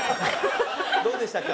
どうでしたか？